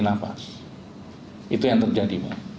nafas itu yang terjadi